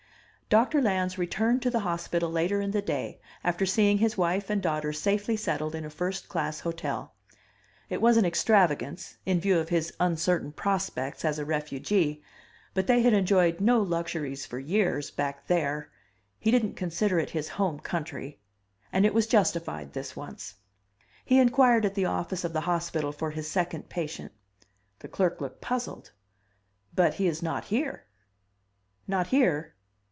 DOCTOR LANS RETURNED TO THE hospital later in the day, after seeing his wife and daughter safely settled in a first class hotel. It was an extravagence, in view of his uncertain prospects as a refugee, but they had enjoyed no luxuries for years back there he didn't consider it his home country and it was justified this once. He inquired at the office of the hospital for his second patient. The clerk looked puzzled. "But he is not here...." "Not here?"